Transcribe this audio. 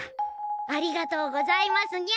ありがとうございますにゃ。